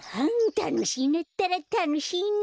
たのしいなったらたのしいなん？